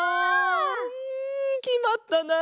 んきまったな！